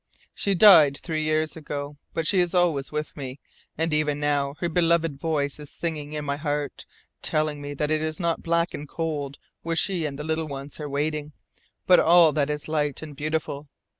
She died three years ago, but she is with me always, and even now her beloved voice is singing in my heart, telling me that it is not black and cold where she and the little ones are waiting, but that all is light and beautiful.